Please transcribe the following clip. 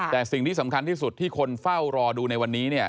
แต่สิ่งที่สำคัญที่สุดที่คนเฝ้ารอดูในวันนี้